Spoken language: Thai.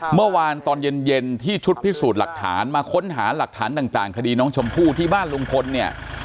เมื่อวานตอนเย็นที่ชุดพิสูจน์หลักฐานมาค้นหาหลักฐานต่างคดีน้องชมพู่ที่บ้านลุงพลเนี่ย